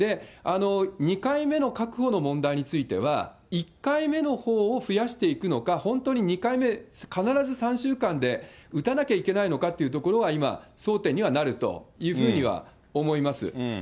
２回目の確保の問題については、１回目のほうを増やしていくのか、本当に２回目、必ず３週間で打たなきゃいけないのかというところは今、争点にはなるというふうには思います。